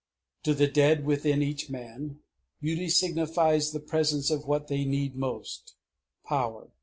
To the dead within each man, beauty signifies the presence of what they need most, Power.